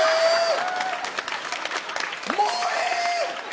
もうええ。